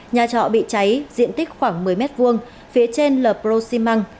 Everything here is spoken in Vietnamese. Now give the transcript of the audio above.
nhà trọ bị cháy diện tích khoảng một mươi m hai phía trên là proximang